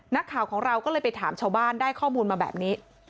นักข่าวของเราก็เลยไปถามชาวบ้านได้ข้อมูลมาแบบนี้